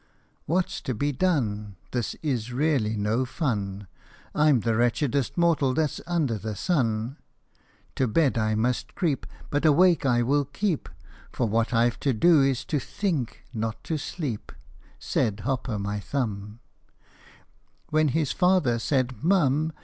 " What 's to be done ? This is really no fun : I 'm the wretchedest mortal that 's under the sun. To bed I must creep But awake I will keep, For what I Ve to do is to think, not to sleep," Said Hop o' my Thumb, When his father said, " Mum